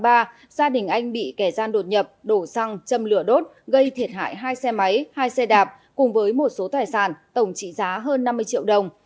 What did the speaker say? gia đình anh bị kẻ gian đột nhập đổ xăng châm lửa đốt gây thiệt hại hai xe máy hai xe đạp cùng với một số tài sản tổng trị giá hơn năm mươi triệu đồng